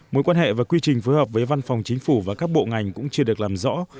mối quan hệ và quy trình phối hợp với văn phòng chính phủ và các bộ ngành cũng chưa được làm rõ